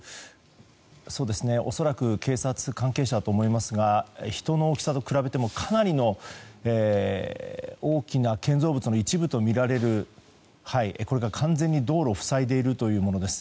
恐らく警察関係者だと思いますが人の大きさと比べても、かなり大きな建造物の一部とみられるこれが完全に道路を塞いでいるということです。